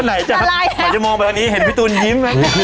หมายจะมองแบบนี้เห็นพี่ตูนยิ้ม